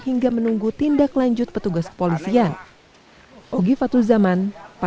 hingga menunggu tindak lanjut petugas kepolisian